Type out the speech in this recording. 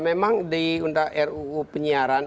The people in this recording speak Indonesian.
memang di ruu penyiaran